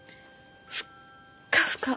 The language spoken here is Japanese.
ふっかふか！